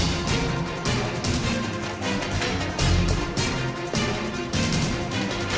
นี่ก็เป็นเองครับการมาสมมุติกินส่วนของคุณครับ